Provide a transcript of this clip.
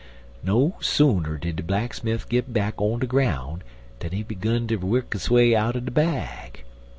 "No sooner did de blacksmif git back on de groun' dan he 'gun ter wuk his way outer de bag.